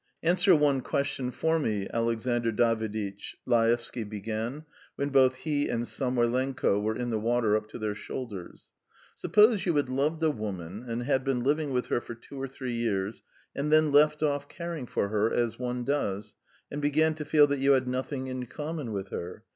"Answer one question for me, Alexandr Daviditch," Laevsky began, when both he and Samoylenko were in the water up to their shoulders. "Suppose you had loved a woman and had been living with her for two or three years, and then left off caring for her, as one does, and began to feel that you had nothing in common with her.